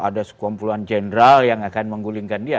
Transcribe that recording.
ada sekumpulan jenderal yang akan menggulingkan dia